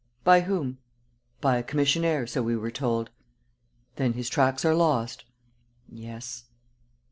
"By whom?" "By a commissionaire, so we were told." "Then his tracks are lost?" "Yes."